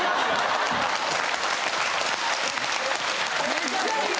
めっちゃいい！